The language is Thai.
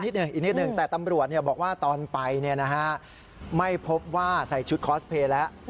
อีกนิดหนึ่งแต่ตำรวจบอกว่าตอนไปไม่พบว่าใส่ชุดคอสเพลย์แล้ว